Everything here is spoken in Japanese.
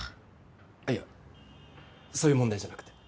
あっいやそういう問題じゃなくて。